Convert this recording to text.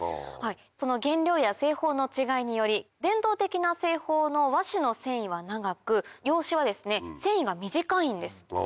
その原料や製法の違いにより伝統的な製法の和紙の繊維は長く洋紙は繊維が短いんです。